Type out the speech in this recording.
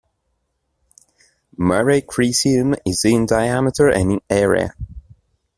Mare Crisium is in diameter, and in area.